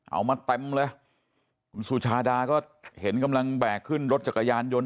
เอามาเต็มเลยคุณสุชาดาก็เห็นกำลังแบกขึ้นรถจักรยานยนต์